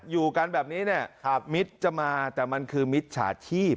อยู่กันแบบนี้เนี่ยมิตรจะมาแต่มันคือมิตรฉาชีพ